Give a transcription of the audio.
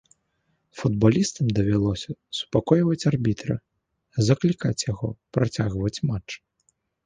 Футбалістам давялося супакойваць арбітра, заклікаць яго працягваць матч.